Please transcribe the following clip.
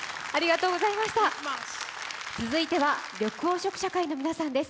続いては緑黄色社会の皆さんです。